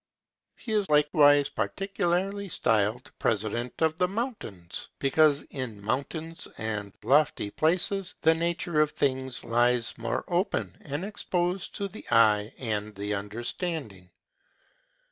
He is likewise particularly styled President of the Mountains, because in mountains and lofty places the nature of things lies more open and exposed to the eye and the understanding.